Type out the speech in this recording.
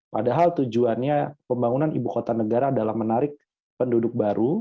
padahal tujuannya pembangunan ibu kota negara adalah menarik penduduk baru